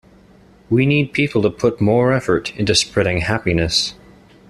We need people to put more effort into spreading happiness.